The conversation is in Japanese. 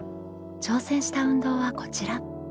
挑戦した運動はこちら。